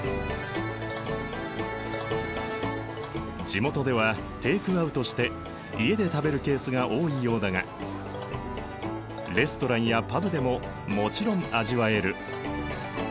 地元ではテイクアウトして家で食べるケースが多いようだがレストランやパブでももちろん味わえる。